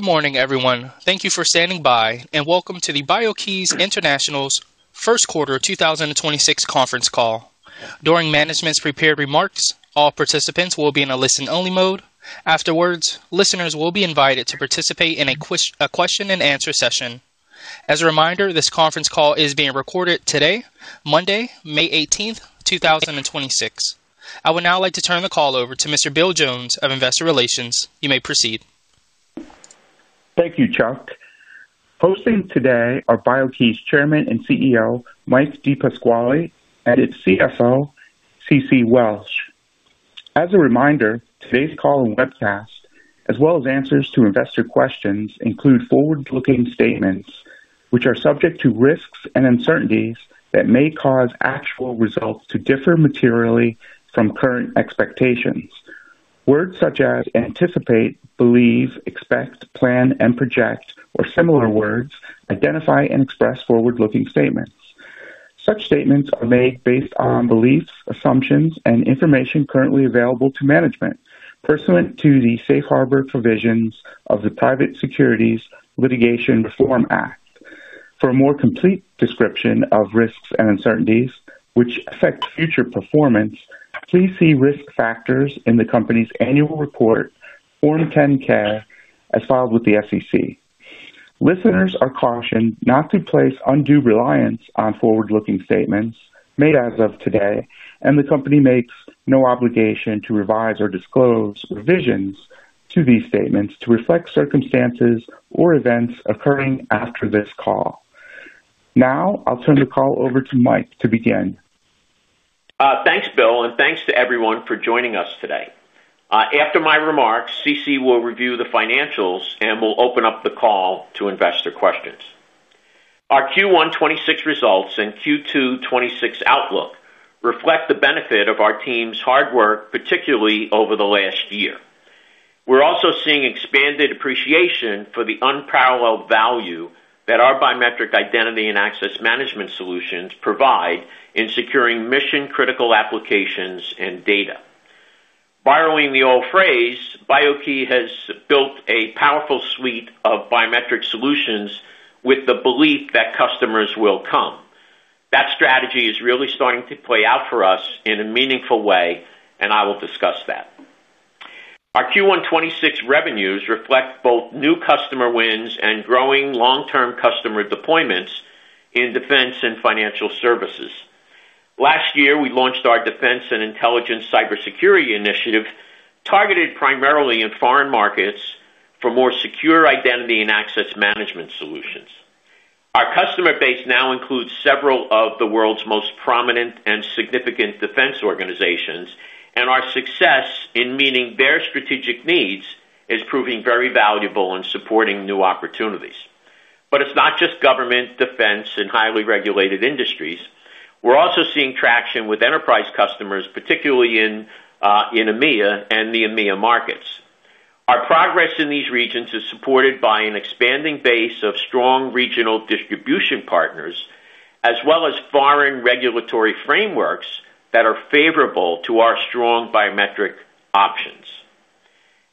Good morning, everyone. Thank you for standing by, and welcome to the BIO-key International's first quarter 2026 conference call. During management's prepared remarks, all participants will be in a listen-only mode. Afterwards, listeners will be invited to participate in a question-and-answer session. As a reminder, this conference call is being recorded today, Monday, May 18th, 2026. I would now like to turn the call over to Mr. Bill Jones of Investor Relations. You may proceed. Thank you, Chuck. Hosting today are BIO-key's Chairman and Chief Executive Officer, Mike DePasquale, and its Chief Financial Officer, Ceci Welch. As a reminder, today's call and webcast, as well as answers to investor questions, include forward-looking statements which are subject to risks and uncertainties that may cause actual results to differ materially from current expectations. Words such as anticipate, believe, expect, plan, and project or similar words identify and express forward-looking statements. Such statements are made based on beliefs, assumptions, and information currently available to management pursuant to the Safe Harbor provisions of the Private Securities Litigation Reform Act. For a more complete description of risks and uncertainties which affect future performance, please see risk factors in the company's annual report, Form 10-K, as filed with the SEC. Listeners are cautioned not to place undue reliance on forward-looking statements made as of today, and the company makes no obligation to revise or disclose revisions to these statements to reflect circumstances or events occurring after this call. Now, I'll turn the call over to Mike to begin. Thanks, Bill, and thanks to everyone for joining us today. After my remarks, Ceci will review the financials, and we'll open up the call to investor questions. Our Q1 2026 results and Q2 2026 outlook reflect the benefit of our team's hard work, particularly over the last year. We're also seeing expanded appreciation for the unparalleled value that our biometric identity and access management solutions provide in securing mission-critical applications and data. Borrowing the old phrase, BIO-key has built a powerful suite of biometric solutions with the belief that customers will come. That strategy is really starting to play out for us in a meaningful way, and I will discuss that. Our Q1 2026 revenues reflect both new customer wins and growing long-term customer deployments in defense and financial services. Last year, we launched our defense and intelligence cybersecurity initiative, targeted primarily in foreign markets for more secure identity and access management solutions. Our customer base now includes several of the world's most prominent and significant defense organizations, and our success in meeting their strategic needs is proving very valuable in supporting new opportunities. It's not just government, defense, and highly regulated industries. We're also seeing traction with enterprise customers, particularly in EMEA and the EMEA markets. Our progress in these regions is supported by an expanding base of strong regional distribution partners as well as foreign regulatory frameworks that are favorable to our strong biometric options.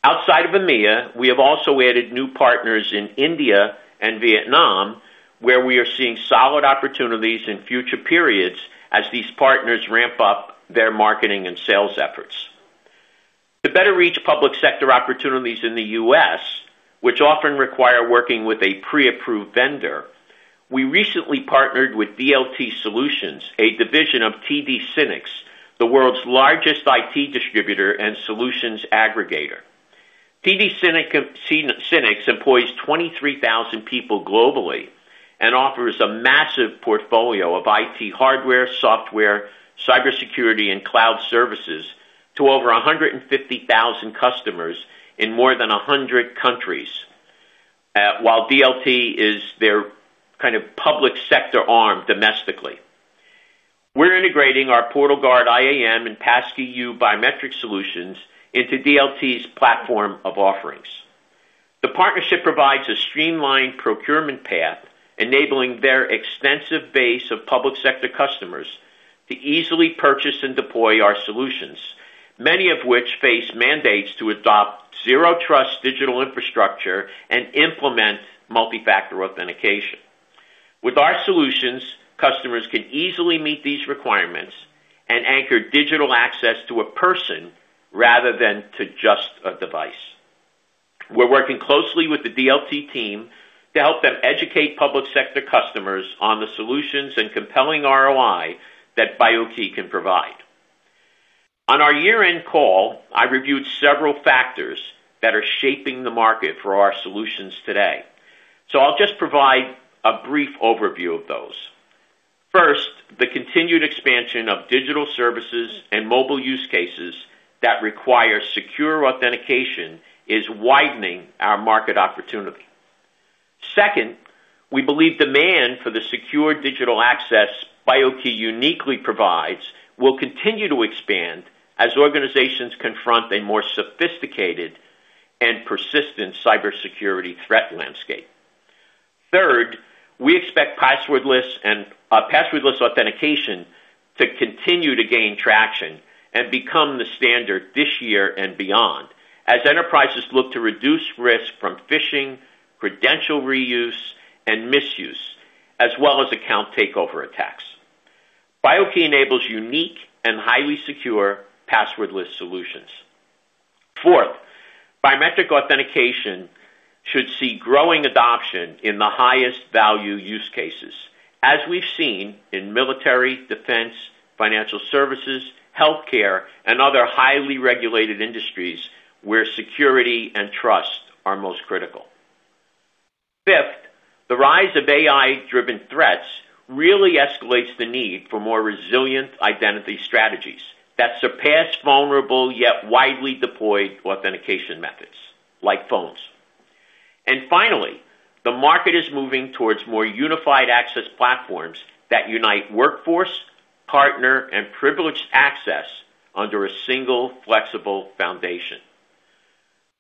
Outside of EMEA, we have also added new partners in India and Vietnam, where we are seeing solid opportunities in future periods as these partners ramp up their marketing and sales efforts. To better reach public sector opportunities in the U.S., which often require working with a pre-approved vendor, we recently partnered with DLT Solutions, a division of TD SYNNEX, the world's largest IT distributor and solutions aggregator. TD SYNNEX, SYN-SYNNEX employs 23,000 people globally and offers a massive portfolio of IT hardware, software, cybersecurity, and cloud services to over 150,000 customers in more than 100 countries. While DLT is their kind of public sector arm domestically. We're integrating our PortalGuard IAM and Passkey:YOU biometric solutions into DLT's platform of offerings. The partnership provides a streamlined procurement path, enabling their extensive base of public sector customers to easily purchase and deploy our solutions, many of which face mandates to adopt zero trust digital infrastructure and implement multi-factor authentication. With our solutions, customers can easily meet these requirements and anchor digital access to a person rather than to just a device. We're working closely with the DLT team to help them educate public sector customers on the solutions and compelling ROI that BIO-key can provide. On our year-end call, I reviewed several factors that are shaping the market for our solutions today, so I'll just provide a brief overview of those. First, the continued expansion of digital services and mobile use cases that require secure authentication is widening our market opportunity. Second, we believe demand for the secure digital access BIO-key uniquely provides will continue to expand as organizations confront a more sophisticated and persistent cybersecurity threat landscape. Third, we expect passwordless authentication to continue to gain traction and become the standard this year and beyond as enterprises look to reduce risk from phishing, credential reuse and misuse, as well as account takeover attacks. BIO-key enables unique and highly secure passwordless solutions. Fourth, biometric authentication should see growing adoption in the highest value use cases, as we've seen in military, defense, financial services, healthcare and other highly regulated industries where security and trust are most critical. Fifth, the rise of AI-driven threats really escalates the need for more resilient identity strategies that surpass vulnerable yet widely deployed authentication methods like phones. Finally, the market is moving towards more unified access platforms that unite workforce, partner, and privileged access under a single flexible foundation.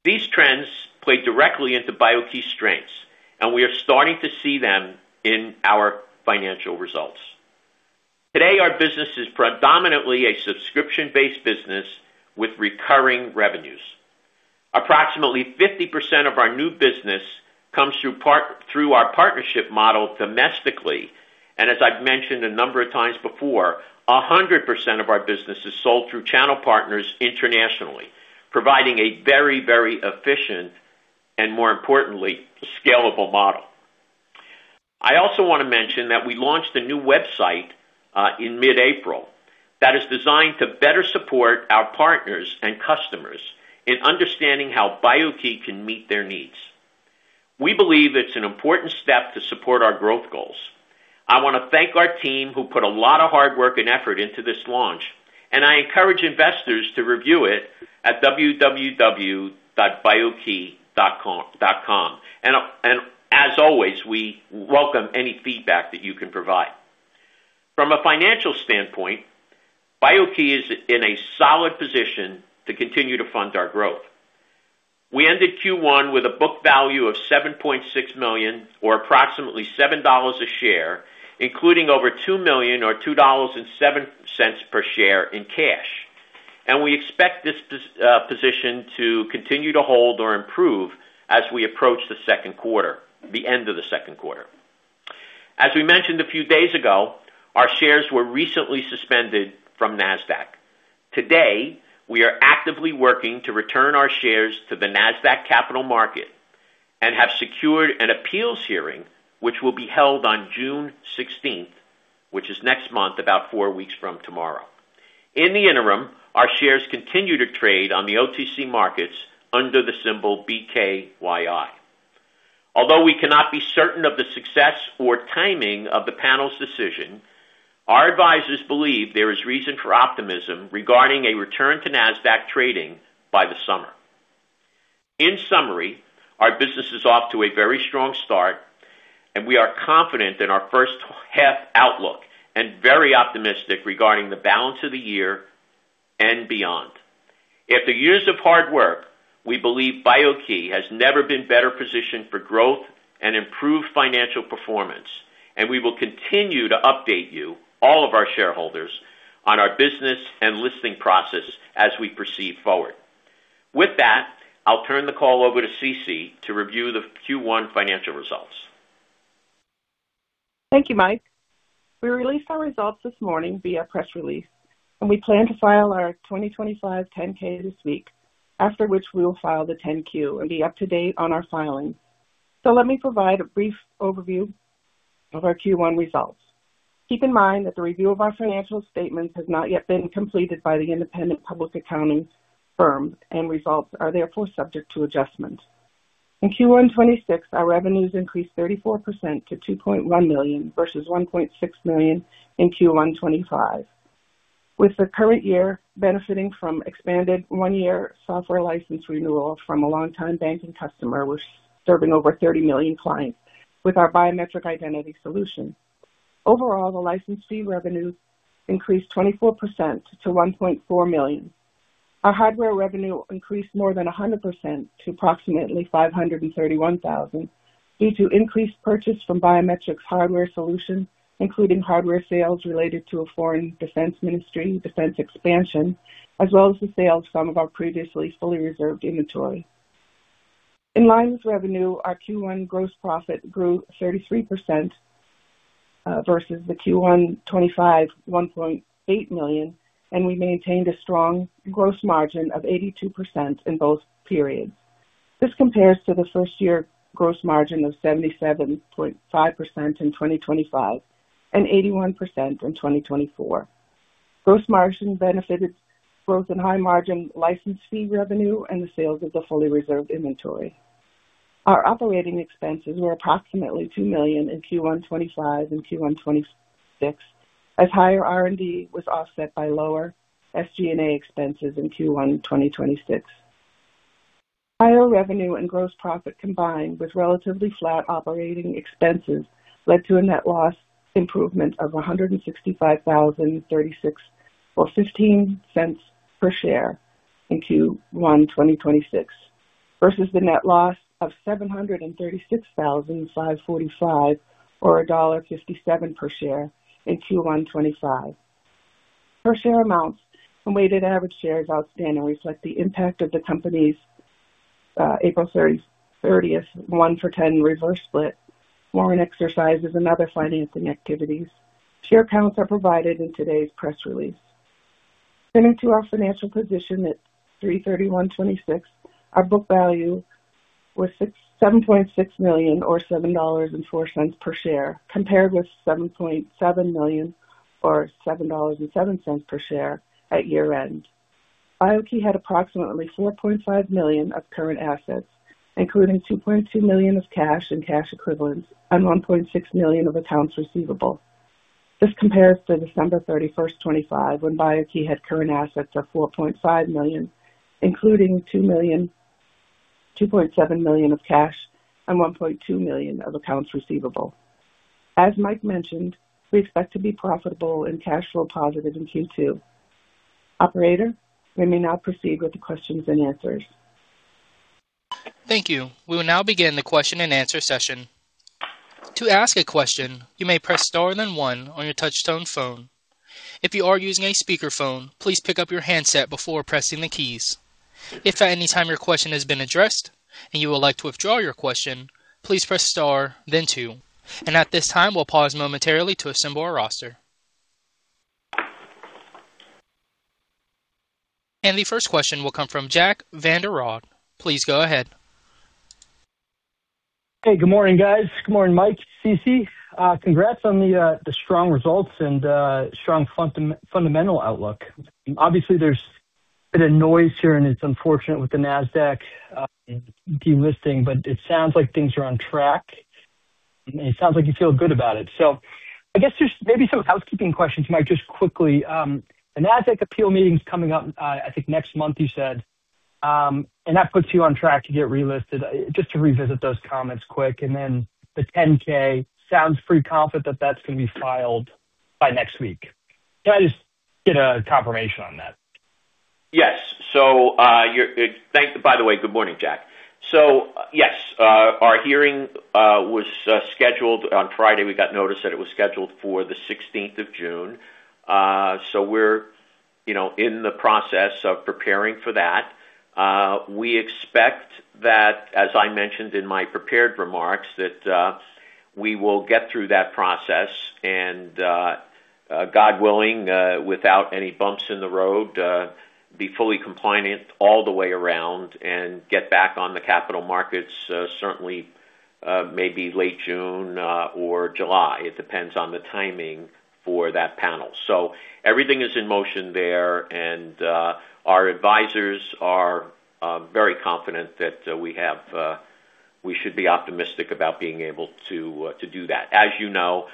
These trends play directly into BIO-key strengths, and we are starting to see them in our financial results. Today, our business is predominantly a subscription-based business with recurring revenues. Approximately 50% of our new business comes through our partnership model domestically. As I've mentioned a number of times before, 100% of our business is sold through channel partners internationally, providing a very very efficient and more importantly, scalable model. I also want to mention that we launched a new website in mid-April that is designed to better support our partners and customers in understanding how BIO-key can meet their needs. We believe it's an important step to support our growth goals. I wanna thank our team who put a lot of hard work and effort into this launch, I encourage investors to review it at www.bio-key.com. As always, we welcome any feedback that you can provide. From a financial standpoint, BIO-key is in a solid position to continue to fund our growth. We ended Q1 with a book value of $7.6 million or approximately $7 a share, including over $2 million or $2.07 per share in cash. We expect this position to continue to hold or improve as we approach the second quarter, the end of the second quarter. As we mentioned a few days ago, our shares were recently suspended from Nasdaq. Today, we are actively working to return our shares to the Nasdaq Capital Market and have secured an appeals hearing, which will be held on June 16th, which is next month, about four weeks from tomorrow. In the interim, our shares continue to trade on the OTC Markets under the symbol BKYI. Although we cannot be certain of the success or timing of the panel's decision, our advisors believe there is reason for optimism regarding a return to Nasdaq trading by the summer. In summary, our business is off to a very strong start and we are confident in our first half outlook and very optimistic regarding the balance of the year and beyond. After years of hard work, we believe BIO-key has never been better positioned for growth and improved financial performance, and we will continue to update you, all of our shareholders, on our business and listing process as we proceed forward. With that, I'll turn the call over to Ceci to review the Q1 financial results. Thank you, Mike. We released our results this morning via press release. We plan to file our 2025 10-K this week, after which we will file the 10-Q and be up to date on our filings. Let me provide a brief overview of our Q1 results. Keep in mind that the review of our financial statements has not yet been completed by the independent public accounting firm. Results are therefore subject to adjustment. In Q1 2026, our revenues increased 34% to $2.1 million versus $1.6 million in Q1 2025. With the current year benefiting from expanded one-year software license renewal from a long-time banking customer who's serving over 30 million clients with our biometric identity solution. Overall, the license fee revenues increased 24% to $1.4 million. Our hardware revenue increased more than 100% to approximately $531,000, due to increased purchase from biometrics hardware solutions, including hardware sales related to a foreign defense ministry defense expansion, as well as the sales from our previously fully reserved inventory. In line with revenue, our Q1 gross profit grew 33% versus the Q1 2025 $1.8 million, and we maintained a strong gross margin of 82% in both periods. This compares to the first year gross margin of 77.5% in 2025 and 81% in 2024. Gross margin benefited both in high margin license fee revenue and the sales of the fully reserved inventory. Our operating expenses were approximately $2 million in Q1 2025 and Q1 2026, as higher R&D was offset by lower SG&A expenses in Q1 2026. Higher revenue and gross profit combined with relatively flat operating expenses led to a net loss improvement of $165,036, or $0.15 per share in Q1 2026 versus the net loss of $736,545, or $1.57 per share in Q1 2025. Per share amounts and weighted average shares outstanding reflect the impact of the company's April 30th 1:10 reverse split, warrant exercises and other financing activities. Share counts are provided in today's press release. Turning to our financial position at 3/31/2026, our book value was $7.6 million or $7.04 per share, compared with $7.7 million or $7.07 per share at year-end. BIO-key had approximately $4.5 million of current assets, including $2.2 million of cash and cash equivalents, and $1.6 million of accounts receivable. This compares to December 31st, 2025, when BIO-key had current assets of $4.5 million, including $2.7 million of cash and $1.2 million of accounts receivable. As Mike mentioned, we expect to be profitable and cash flow positive in Q2. Operator, we may now proceed with the questions and answers. Thank you. We will now begin the question-and-answer session. To ask a question, you may press star then one on your touch-tone phone. If you are using a speakerphone, please pick up your handset before pressing the keys. If at any time your question has been addressed and you would like to withdraw your question, please press star then two. At this time, we'll pause momentarily to assemble our roster. The first question will come from Jack Vander Aarde. Please go ahead. Hey, good morning, guys. Good morning, Mike, Ceci. Congrats on the strong results and strong fundamental outlook. Obviously, there's been a noise here, and it's unfortunate with the Nasdaq delisting, but it sounds like things are on track. It sounds like you feel good about it. I guess there's maybe some housekeeping questions, Mike, just quickly. The Nasdaq appeal meeting's coming up, I think next month, you said. That puts you on track to get relisted. Just to revisit those comments quick. The 10-K sounds pretty confident that that's gonna be filed by next week. Can I just get a confirmation on that? Yes. Thank you. By the way, good morning, Jack. Yes, our hearing was scheduled on Friday. We got notice that it was scheduled for the 16th of June. We're, you know, in the process of preparing for that. We expect that, as I mentioned in my prepared remarks, that we will get through that process and, God willing, without any bumps in the road, be fully compliant all the way around and get back on the Capital Markets, certainly, maybe late June or July. It depends on the timing for that panel. Everything is in motion there, and our advisors are very confident that we have, we should be optimistic about being able to do that. You know,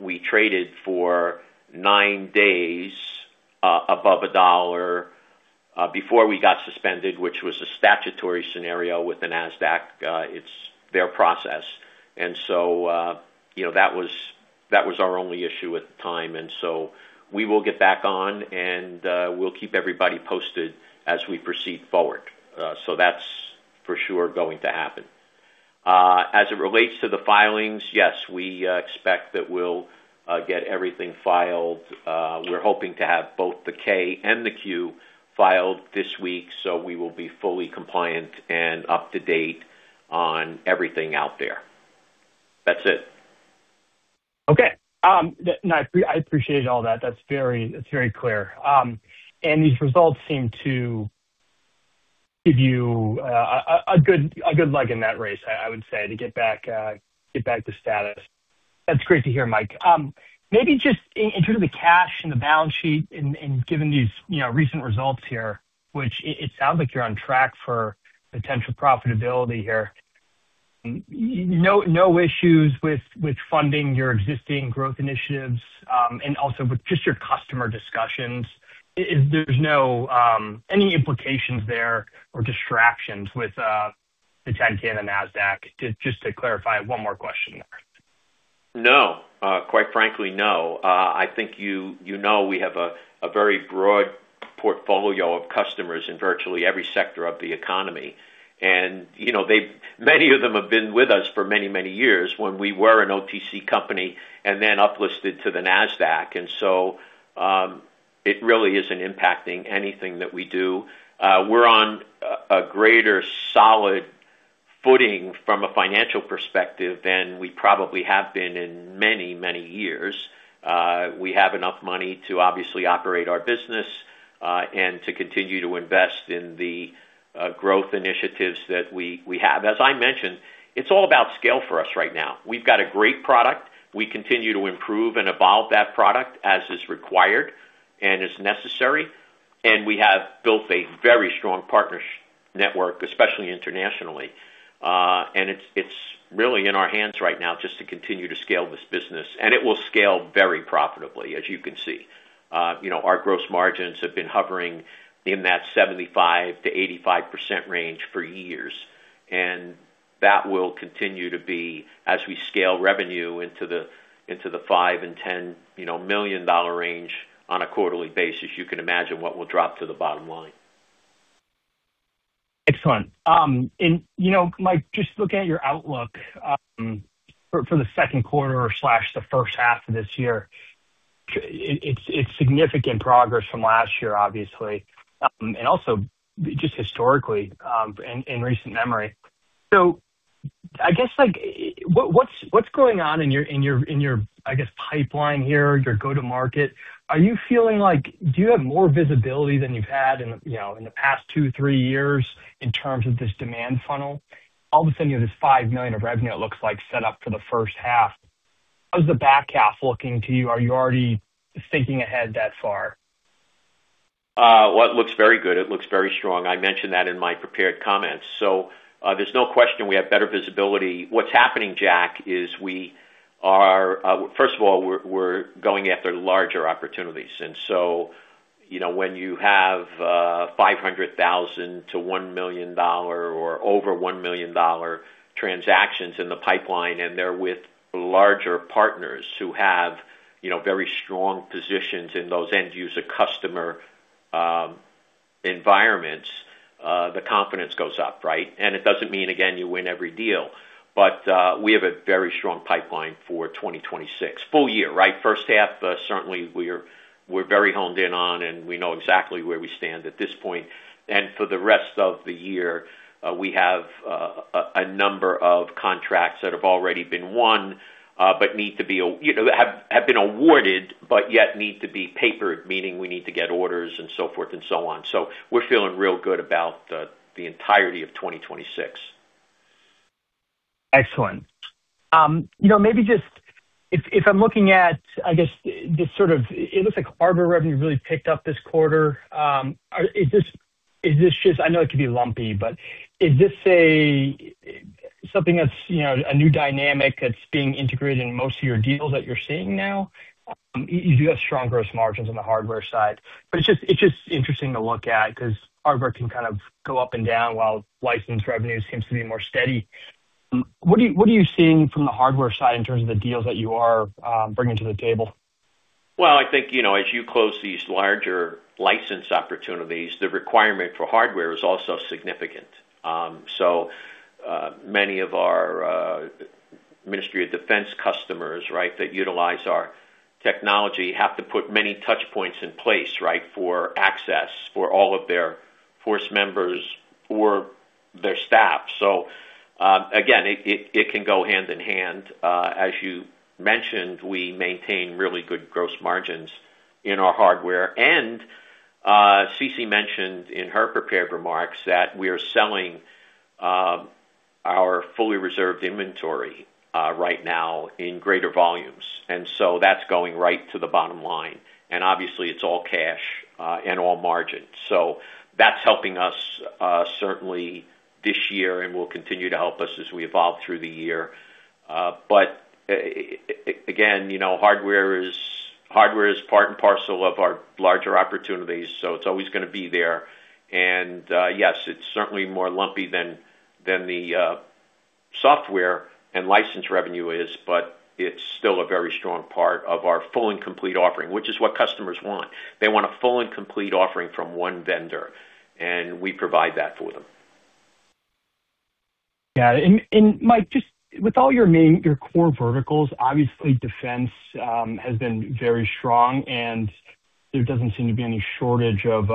we traded for nine days above $1 before we got suspended, which was a statutory scenario with the Nasdaq. It's their process. You know, that was our only issue at the time. We will get back on and we'll keep everybody posted as we proceed forward. That's for sure going to happen. As it relates to the filings, yes, we expect that we'll get everything filed. We're hoping to have both the K and the Q filed this week, so we will be fully compliant and up-to-date on everything out there. That's it. Okay. No, I appreciate all that. That's very clear. These results seem to give you a good leg in that race, I would say, to get back to status. That's great to hear, Mike. Maybe just in terms of the cash and the balance sheet and given these, you know, recent results here, which it sounds like you're on track for potential profitability here. No issues with funding your existing growth initiatives, and also with just your customer discussions. There's no any implications there or distractions with the 10-K and the Nasdaq? Just to clarify, one more question there. No. Quite frankly, no. I think you know, we have a very broad portfolio of customers in virtually every sector of the economy. You know, many of them have been with us for many, many years when we were an OTC company and then uplisted to the Nasdaq. It really isn't impacting anything that we do. We're on a greater solid footing from a financial perspective than we probably have been in many, many years. We have enough money to obviously operate our business and to continue to invest in the growth initiatives that we have. As I mentioned, it's all about scale for us right now. We've got a great product. We continue to improve and evolve that product as is required and is necessary. We have built a very strong partners network, especially internationally. It's really in our hands right now just to continue to scale this business. It will scale very profitably, as you can see. You know, our gross margins have been hovering in that 75%-85% range for years. That will continue to be as we scale revenue into the $5 million-$10 million range on a quarterly basis. You can imagine what will drop to the bottom line. Excellent. You know, Mike, just looking at your outlook, for the second quarter/the first half of this year, it's significant progress from last year, obviously, and also just historically, in recent memory. I guess, like, what's going on in your, I guess, pipeline here, your go-to market? Do you have more visibility than you've had in, you know, in the past two, three years in terms of this demand funnel? All of a sudden, you have this $5 million of revenue it looks like set up for the first half. How's the back half looking to you? Are you already thinking ahead that far? Well, it looks very good. It looks very strong. I mentioned that in my prepared comments. There's no question we have better visibility. What's happening, Jack, is we are, first of all, we're going after larger opportunities. You know, when you have $500,000-$1 million or over $1 million transactions in the pipeline, and they're with larger partners who have, you know, very strong positions in those end user customer environments, the confidence goes up, right? It doesn't mean, again, you win every deal. We have a very strong pipeline for 2026. Full year, right? First half, certainly we're very honed in on, and we know exactly where we stand at this point. For the rest of the year, we have a number of contracts that have already been won, but need to be you know, been awarded, but yet need to be papered, meaning we need to get orders and so forth and so on. We're feeling real good about the entirety of 2026. Excellent. you know, maybe just if I'm looking at, I guess, the sort of it looks like hardware revenue really picked up this quarter. Is this just I know it could be lumpy, but is this a something that's, you know, a new dynamic that's being integrated in most of your deals that you're seeing now? You do have strong gross margins on the hardware side, it's just interesting to look at 'cause hardware can kind of go up and down while license revenue seems to be more steady. What are you seeing from the hardware side in terms of the deals that you are bringing to the table? Well, I think, you know, as you close these larger license opportunities, the requirement for hardware is also significant. Many of our Ministry of Defense customers that utilize our technology have to put many touch points in place for access for all of their force members or their staff. Again, it can go hand in hand. As you mentioned, we maintain really good gross margins in our hardware. Ceci mentioned in her prepared remarks that we are selling our fully reserved inventory right now in greater volumes, and so that's going right to the bottom line. Obviously it's all cash and all margin. That's helping us certainly this year and will continue to help us as we evolve through the year. But again, you know, hardware is part and parcel of our larger opportunities, so it's always gonna be there. Yes, it's certainly more lumpy than the software and license revenue is, but it's still a very strong part of our full and complete offering, which is what customers want. They want a full and complete offering from one vendor, and we provide that for them. Yeah. Mike, just with all your main, your core verticals, obviously defense, has been very strong, there doesn't seem to be any shortage of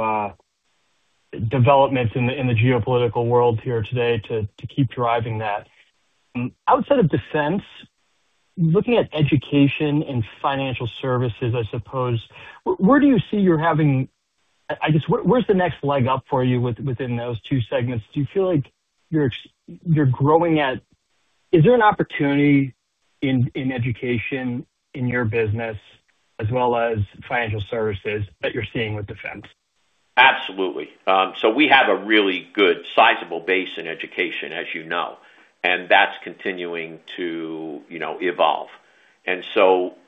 development in the geopolitical world here today to keep driving that. Outside of defense, looking at education and financial services, I suppose, where do you see you're having where's the next leg up for you within those two segments? Do you feel like you're growing at Is there an opportunity in education in your business as well as financial services that you're seeing with defense? Absolutely. We have a really good sizable base in education, as you know, and that's continuing to, you know, evolve.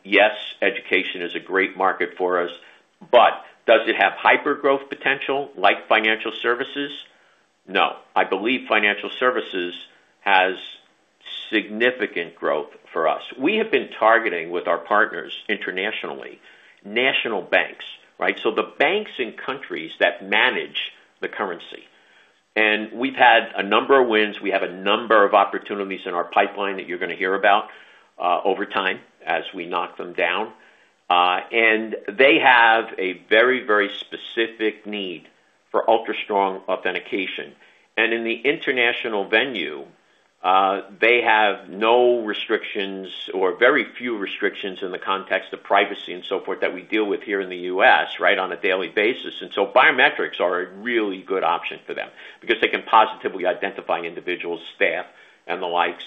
Yes, education is a great market for us. Does it have hyper-growth potential like financial services? No. I believe financial services has significant growth for us. We have been targeting with our partners internationally, national banks, right? The banks in countries that manage the currency. We've had a number of wins. We have a number of opportunities in our pipeline that you're gonna hear about over time as we knock them down. They have a very specific need for ultra-strong authentication. In the international venue, they have no restrictions or very few restrictions in the context of privacy and so forth that we deal with here in the U.S., right, on a daily basis. Biometrics are a really good option for them because they can positively identify individual staff and the likes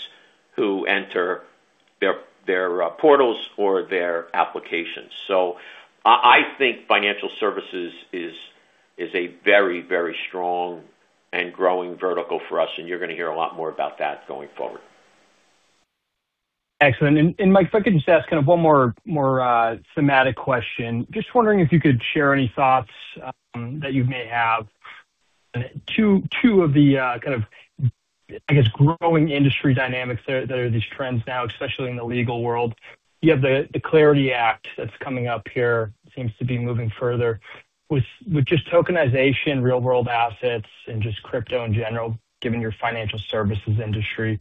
who enter their portals or their applications. I think financial services is a very strong and growing vertical for us, and you're gonna hear a lot more about that going forward. Excellent. Mike, if I could just ask kind of one more semantic question. Just wondering if you could share any thoughts that you may have. Two of the kind of, I guess, growing industry dynamics that are these trends now, especially in the legal world. You have the Clarity Act that's coming up here seems to be moving further with just tokenization, real-world assets, and just crypto in general, given your financial services industry.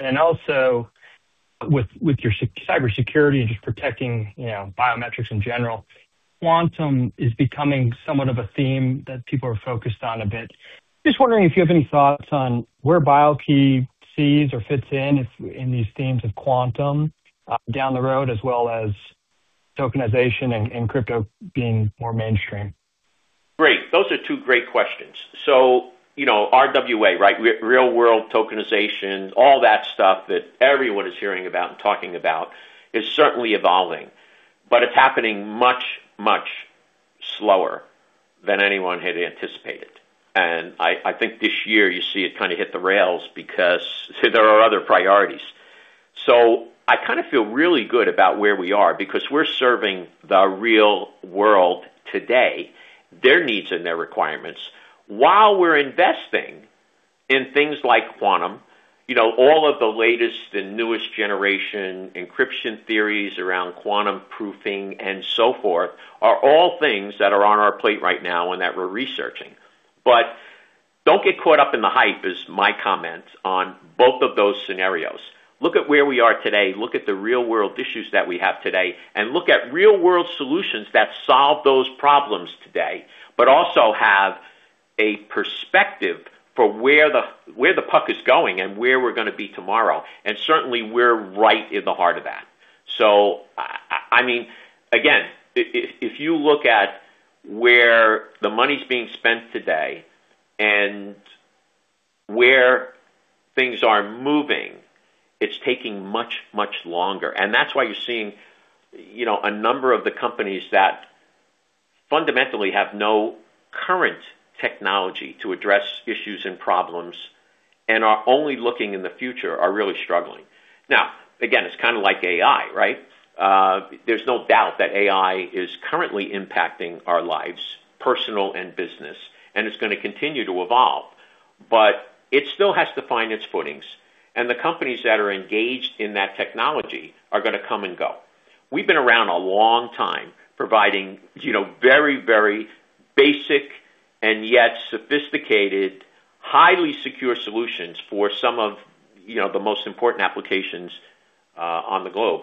Also with your cybersecurity and just protecting, you know, biometrics in general, quantum is becoming somewhat of a theme that people are focused on a bit. Just wondering if you have any thoughts on where BIO-key sees or fits in if in these themes of quantum down the road, as well as tokenization and crypto being more mainstream. Great. Those are two great questions. You know, RWA, right? Real-world tokenization, all that stuff that everyone is hearing about and talking about is certainly evolving, but it's happening much, much slower than anyone had anticipated. I think this year you see it kind of hit the rails because there are other priorities. I kind of feel really good about where we are because we're serving the real world today, their needs and their requirements, while we're investing in things like quantum. You know, all of the latest and newest generation encryption theories around quantum proofing and so forth are all things that are on our plate right now and that we're researching. Don't get caught up in the hype is my comment on both of those scenarios. Look at where we are today, look at the real-world issues that we have today, and look at real-world solutions that solve those problems today, but also have a perspective for where the puck is going and where we're gonna be tomorrow. Certainly, we're right in the heart of that. I mean, again, if you look at where the money's being spent today and where things are moving, it's taking much, much longer. That's why you're seeing, you know, a number of the companies that fundamentally have no current technology to address issues and problems and are only looking in the future are really struggling. Now, again, it's kinda like AI, right? There's no doubt that AI is currently impacting our lives, personal and business, and it's gonna continue to evolve. It still has to find its footings, and the companies that are engaged in that technology are gonna come and go. We've been around a long time providing, you know, very, very basic and yet sophisticated, highly secure solutions for some of, you know, the most important applications on the globe.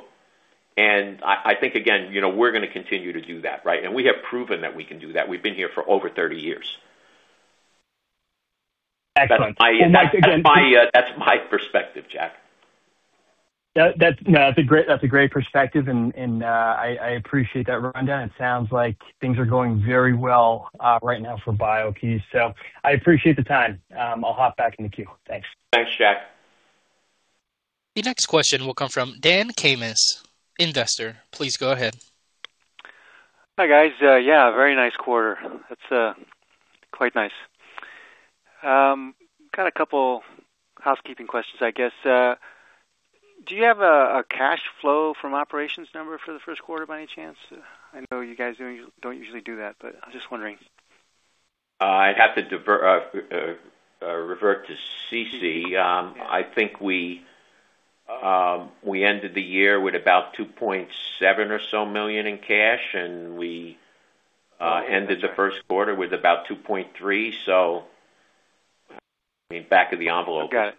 I think, again, you know, we're gonna continue to do that, right? We have proven that we can do that. We've been here for over 30 years. Excellent. That's. That's my, that's my perspective, Jack. No, that's a great perspective, and I appreciate that rundown. It sounds like things are going very well right now for BIO-key. I appreciate the time. I'll hop back in the queue. Thanks. Thanks, Jack. The next question will come from Don Knauss, Investor. Please go ahead. Hi, guys. Yeah, very nice quarter. That's quite nice. I've got a couple housekeeping questions, I guess. Do you have a cash flow from operations number for the first quarter by any chance? I know you guys don't usually do that, but I'm just wondering. I'd have to revert to Ceci. I think we ended the year with about $2.7 million or so in cash, and we ended the first quarter with about $2.3 million. I mean, back of the envelope. Okay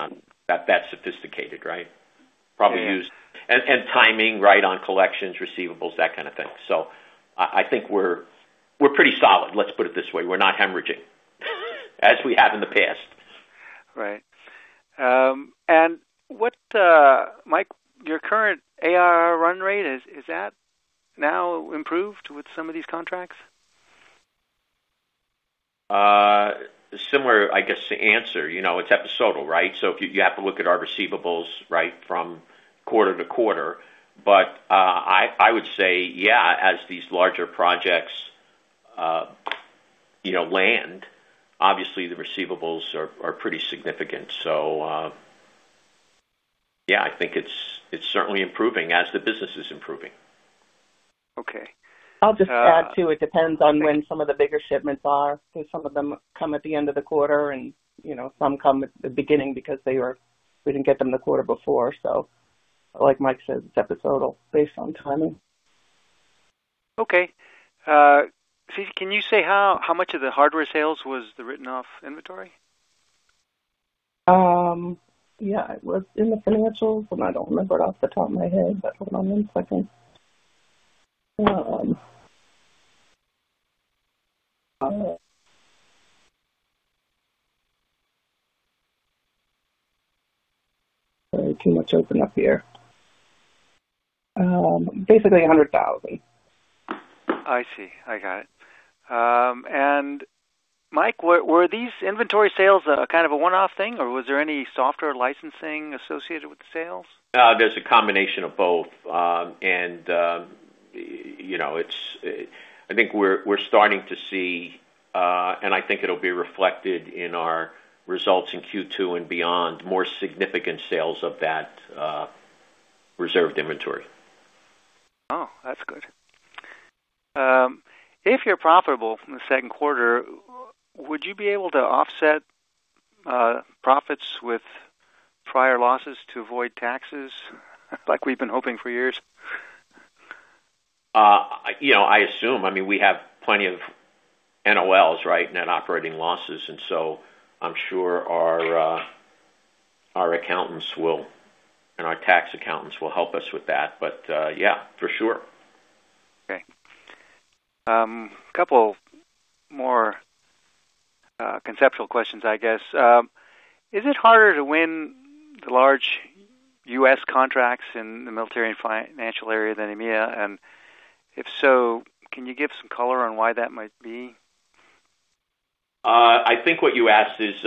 not that sophisticated, right? Yeah. Probably use. And timing, right, on collections, receivables, that kind of thing. I think we're pretty solid, let's put it this way. We're not hemorrhaging as we have in the past. Right. What, Mike, your current ARR run-rate, is that now improved with some of these contracts? Similar, I guess, to answer. You know, it's episodal, right? If you have to look at our receivables, right, from quarter-to-quarter. I would say, yeah, as these larger projects, you know, land, obviously the receivables are pretty significant. Yeah, I think it's certainly improving as the business is improving. Okay. I'll just add, too. It depends on when some of the bigger shipments are, 'cause some of them come at the end of the quarter and, you know, some come at the beginning because we didn't get them the quarter before. Like Mike said, it's episodal based on timing. Okay. Ceci, can you say how much of the hardware sales was the written-off inventory? Yeah, it was in the financials, and I don't remember off the top of my head. Bear with me one second. Sorry. Too much open up here. Basically $100,000. I see. I got it. Mike, were these inventory sales, kind of a one-off thing, or was there any software licensing associated with the sales? There's a combination of both. You know, it's I think we're starting to see, I think it'll be reflected in our results in Q2 and beyond, more significant sales of that reserved inventory. That's good. If you're profitable from the second quarter, would you be able to offset profits with prior losses to avoid taxes like we've been hoping for years? You know, I assume. I mean, we have plenty of NOLs, right? Net operating losses. I'm sure our accountants and our tax accountants will help us with that. Yeah, for sure. Okay. A couple more, conceptual questions, I guess. Is it harder to win the large U.S. contracts in the military and financial area than EMEA? If so, can you give some color on why that might be? I think what you asked is,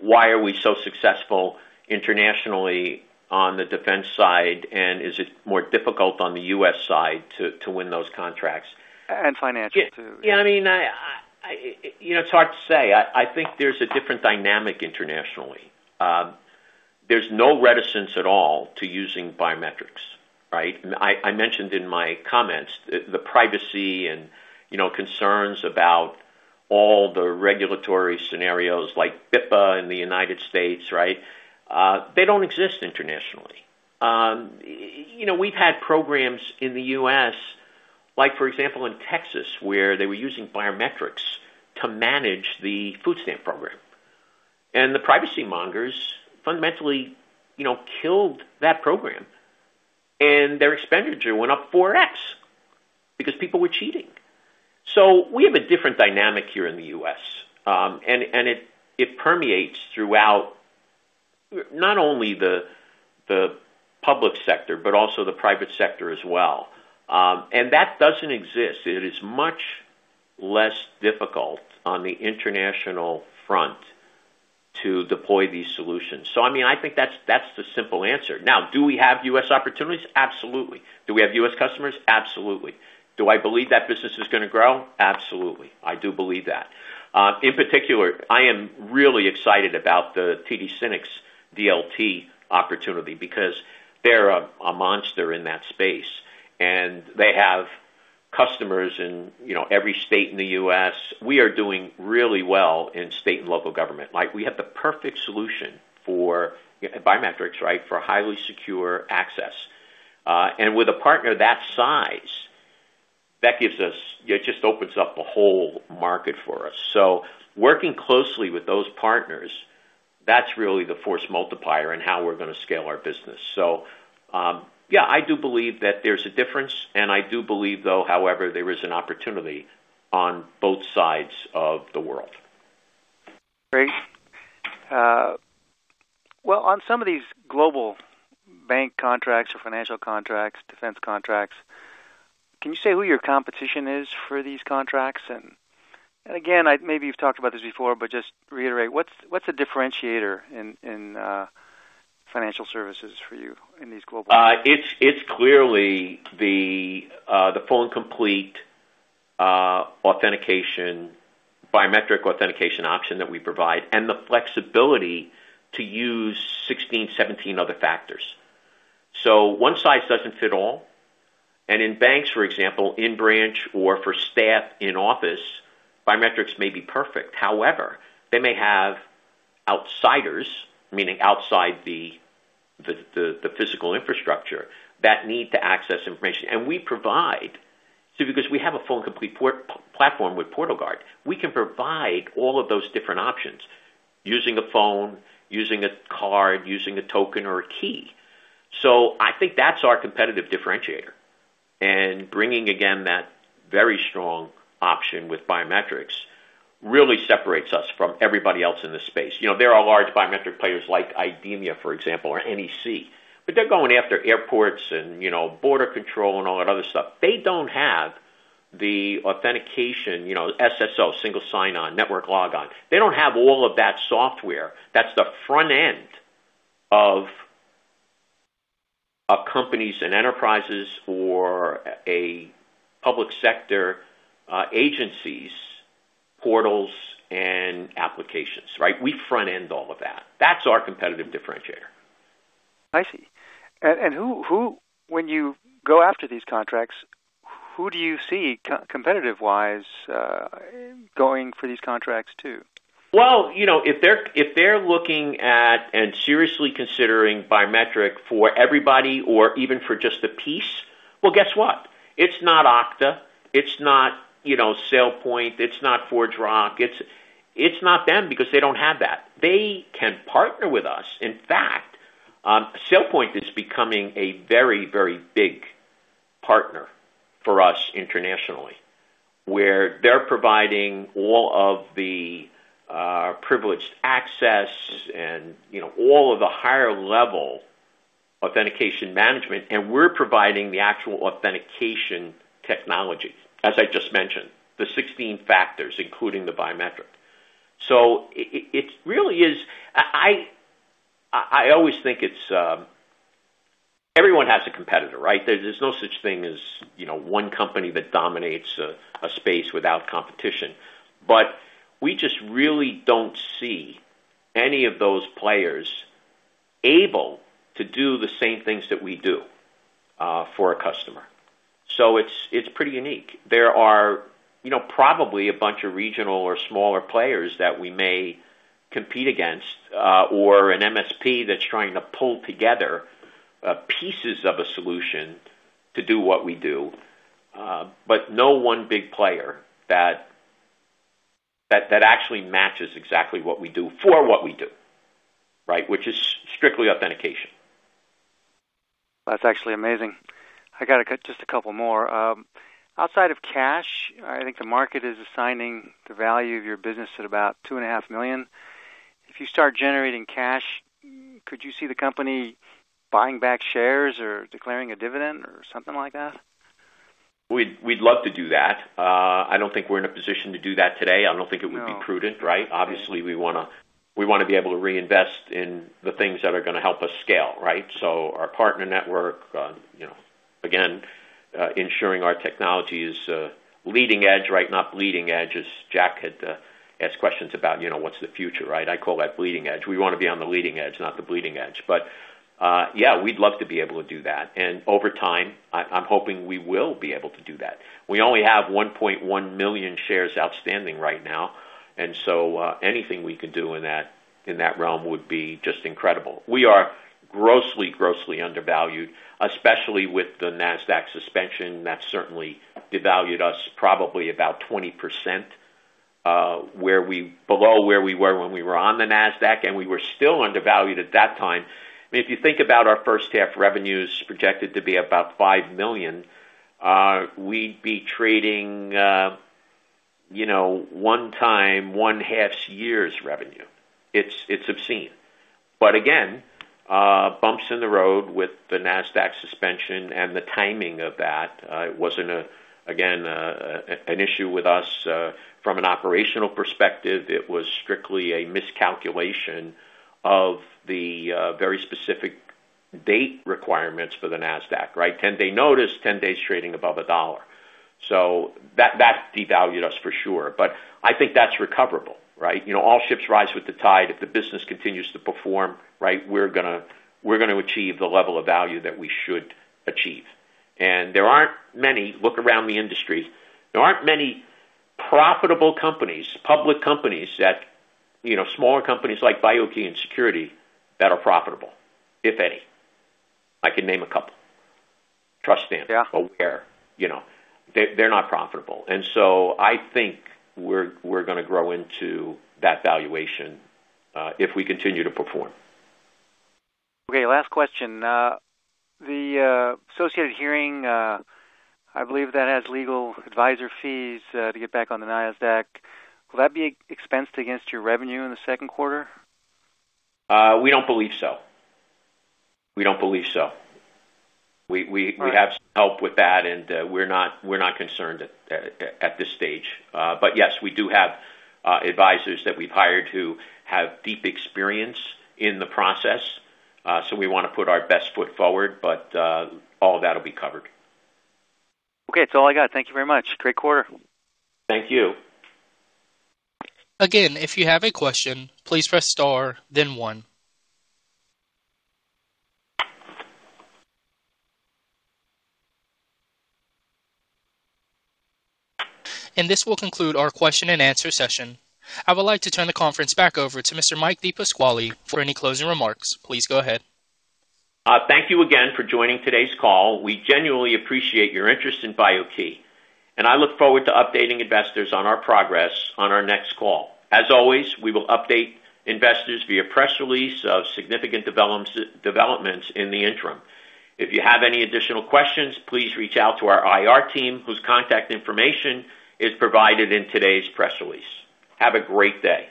why are we so successful internationally on the defense side, and is it more difficult on the U.S. side to win those contracts? Financial too. I mean, you know, it's hard to say. I think there's a different dynamic internationally. There's no reticence at all to using biometrics, right? I mentioned in my comments the privacy and, you know, concerns about all the regulatory scenarios like BIPA in the United States, right? They don't exist internationally. You know, we've had programs in the U.S., like for example, in Texas, where they were using biometrics to manage the food stamp program. The privacy mongers fundamentally, you know, killed that program, and their expenditure went up 4x because people were cheating. We have a different dynamic here in the U.S., and it permeates throughout not only the public sector, but also the private sector as well. That doesn't exist. It is much less difficult on the international front to deploy these solutions. I mean, I think that's the simple answer. Now, do we have U.S. opportunities? Absolutely. Do we have U.S. customers? Absolutely. Do I believe that business is gonna grow? Absolutely. I do believe that. In particular, I am really excited about the TD SYNNEX DLT opportunity because they're a monster in that space, and they have customers in, you know, every state in the U.S. We are doing really well in state and local government. Like, we have the perfect solution for biometrics, right? For highly secure access. And with a partner that size, it just opens up a whole market for us. Working closely with those partners, that's really the force multiplier in how we're gonna scale our business. Yeah, I do believe that there's a difference, and I do believe, though, however, there is an opportunity on both sides of the world. Great. Well, on some of these global bank contracts or financial contracts, defense contracts, can you say who your competition is for these contracts? Again, maybe you've talked about this before, but just to reiterate, what's a differentiator in financial services for you in these global contracts? It's clearly the full and complete authentication, biometric authentication option that we provide and the flexibility to use 16, 17 other factors. One size doesn't fit all. In banks, for example, in branch or for staff in office, biometrics may be perfect. However, they may have outsiders, meaning outside the physical infrastructure that need to access information. Because we have a full complete platform with PortalGuard, we can provide all of those different options using a phone, using a card, using a token or a key. I think that's our competitive differentiator. Bringing, again, that very strong option with biometrics really separates us from everybody else in this space. You know, there are large biometric players like IDEMIA, for example, or NEC. They're going after airports and, you know, border control and all that other stuff. They don't have the authentication, you know, SSO, single sign-on, network logon. They don't have all of that software. That's the front end of companies and enterprises or a public sector agencies, portals and applications, right? We front end all of that. That's our competitive differentiator. I see. Who when you go after these contracts, who do you see competitive-wise going for these contracts too? Well, you know, if they're looking at and seriously considering biometric for everybody or even for just a piece, guess what? It's not Okta. It's not, you know, SailPoint. It's not ForgeRock. It's not them because they don't have that. They can partner with us. In fact, SailPoint is becoming a very very big partner for us internationally, where they're providing all of the privileged access and, you know, all of the higher level authentication management, and we're providing the actual authentication technology, as I just mentioned, the 16 factors, including the biometric. It really is, I always think it's, everyone has a competitor, right? There's no such thing as, you know, one company that dominates a space without competition. We just really don't see any of those players able to do the same things that we do for a customer. It's pretty unique. There are, you know, probably a bunch of regional or smaller players that we may compete against, or an MSP that's trying to pull together pieces of a solution to do what we do, but no one big player that actually matches exactly what we do for what we do, which is strictly authentication. That's actually amazing. I got just a couple more. Outside of cash, I think the market is assigning the value of your business at about $2.5 million. If you start generating cash, could you see the company buying back shares or declaring a dividend or something like that? We'd love to do that. I don't think we're in a position to do that today. I don't think it would be prudent, right? Obviously, we wanna be able to reinvest in the things that are gonna help us scale, right, our partner network, you know, again, ensuring our technology is leading edge, right, not bleeding edge, as Jack had asked questions about, you know, what's the future, right? I call that bleeding edge. We wanna be on the leading edge, not the bleeding edge. Yeah, we'd love to be able to do that. Over time, I'm hoping we will be able to do that. We only have 1.1 million shares outstanding right now, anything we can do in that realm would be just incredible. We are grossly undervalued, especially with the Nasdaq suspension. That certainly devalued us probably about 20%, below where we were when we were on the Nasdaq, and we were still undervalued at that time. I mean, if you think about our first half revenues projected to be about $5 million, we'd be trading, you know, one time one half year's revenue. It's obscene. Again, bumps in the road with the Nasdaq suspension and the timing of that. It wasn't a, again, an issue with us from an operational perspective. It was strictly a miscalculation of the very specific date requirements for the Nasdaq, right? 10-day notice, 10 days trading above $1. That devalued us for sure, but I think that's recoverable, right? You know, all ships rise with the tide. If the business continues to perform, right, we're gonna achieve the level of value that we should achieve. There aren't many. Look around the industry. There aren't many profitable companies, public companies that, you know, smaller companies like BIO-key and Security that are profitable, if any. I can name a couple. Trust Stamp. Yeah. Aware, you know. They're not profitable. I think we're gonna grow into that valuation, if we continue to perform. Okay, last question. The associated hearing, I believe that has legal advisor fees, to get back on the Nasdaq. Will that be expensed against your revenue in the second quarter? We don't believe so. We don't believe so. We have some help with that, we're not concerned at this stage. Yes, we do have advisors that we've hired who have deep experience in the process. We wanna put our best foot forward, all that'll be covered. Okay, that's all I got. Thank you very much. Great quarter. Thank you. Again, if you have a question, please press star then one. This will conclude our question-and-answer session. I would like to turn the conference back over to Mr. Mike DePasquale for any closing remarks. Please go ahead. Thank you again for joining today's call. We genuinely appreciate your interest in BIO-key, and I look forward to updating investors on our progress on our next call. As always, we will update investors via press release of significant developments in the interim. If you have any additional questions, please reach out to our IR team, whose contact information is provided in today's press release. Have a great day.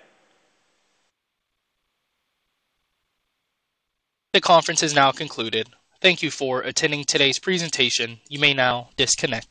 The conference is now concluded. Thank you for attending today's presentation. You may now disconnect.